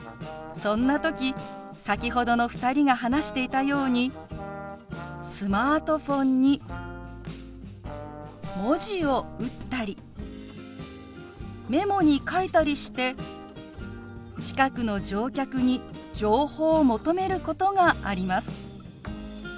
そんな時先ほどの２人が話していたようにスマートフォンに文字を打ったりメモに書いたりして近くの乗客に情報を求めることがあります。